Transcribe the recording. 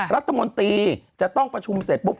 รัฐมนตรีจะต้องประชุมเสร็จปุ๊บ